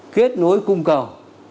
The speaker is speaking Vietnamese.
kết nối cung cầu